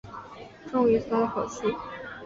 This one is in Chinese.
终于松了口气